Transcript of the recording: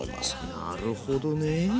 なるほどね。